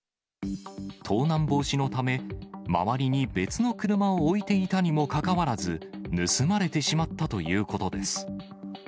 盗難防止のため、周りに別の車を置いていたにもかかわらず、盗まれてしまったということです。